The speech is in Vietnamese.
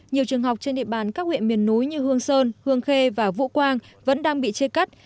nhiều trường học trên địa bàn các huyện miền núi như hương sơn hương khê và vũ quang vẫn đang bị chia cắt